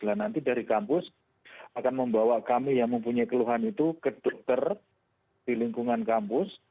nah nanti dari kampus akan membawa kami yang mempunyai keluhan itu ke dokter di lingkungan kampus